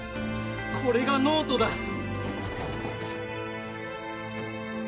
これがノートだ！